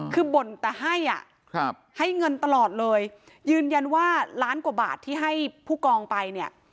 คือบ่นแต่ให้อ่ะให้เงินตลอดเลยยืนยันว่าล้านกว่าบาทที่ให้ผู้กองไปเนี่ย